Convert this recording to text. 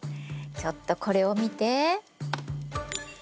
ちょっとこれを見て。